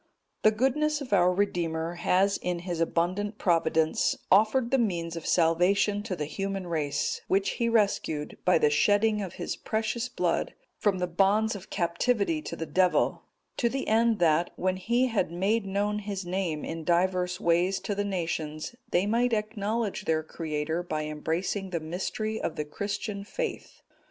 _ The goodness of our Redeemer has in His abundant Providence offered the means of salvation to the human race, which He rescued, by the shedding of His precious Blood, from the bonds of captivity to the Devil; to the end that, when He had made known His name in divers ways to the nations, they might acknowledge their Creator by embracing the mystery of the Christian faith.